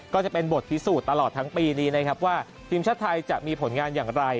ก็จะเป็นบทพิสูจน์ตลอดทั้งปีนี้นะครับว่าทีมชาติไทยจะมีผลงานอย่างไร